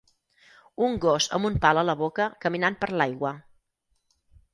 Un gos amb un pal a la boca caminant per l'aigua